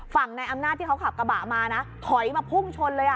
ในอำนาจที่เขาขับกระบะมานะถอยมาพุ่งชนเลย